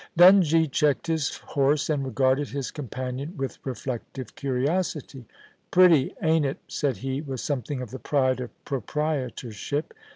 Dungie checked his horse, and regarded his companion 'with reflective curiosity. * Pretty, ain't it ?* said he, with something of the pride of proprietorship.